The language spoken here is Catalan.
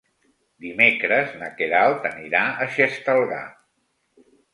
Dimecres na Queralt anirà a Xestalgar.